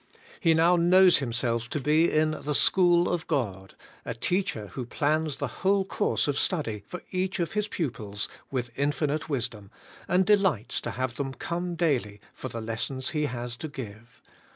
He now knows himself to be in the school of God, a teacher who plans the whole course of study for each of His pupils with infinite wisdom, and delights to have them come daily for the lessons He has to give.